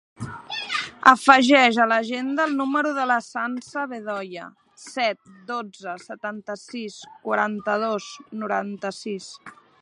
Afegeix a l'agenda el número de la Sança Bedoya: set, dotze, setanta-sis, quaranta-dos, noranta-sis.